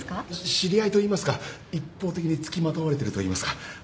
知り合いといいますか一方的につきまとわれてるといいますか。